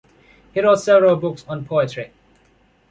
He wrote several books on poetry.